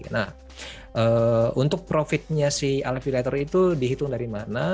nah untuk profitnya si alvirator itu dihitung dari mana